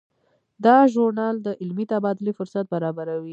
دا ژورنال د علمي تبادلې فرصت برابروي.